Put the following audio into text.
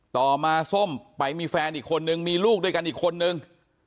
ต่อมาส้มไปมีแฟนอีกคนนึงมีลูกด้วยกันอีกคนนึง